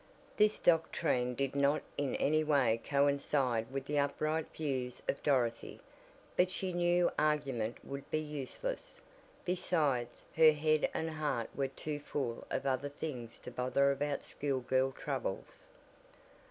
This doctrine did not in any way coincide with the upright views of Dorothy, but she knew argument would be useless. Besides, her head and heart were too full of other things to bother about school girl troubles.